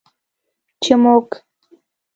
چې موږ